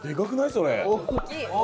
それ。